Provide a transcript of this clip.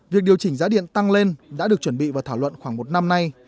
việc điều chỉnh giá điện tăng lên đã được chuẩn bị và thảo luận khoảng một năm nay